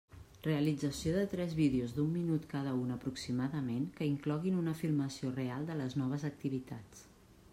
Realització de tres vídeos d'un minut cada un aproximadament que incloguin una filmació real de les noves activitats.